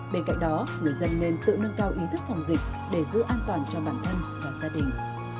bên cạnh đó người dân nên tự nâng cao ý thức phòng dịch để giữ an toàn cho bản thân và gia đình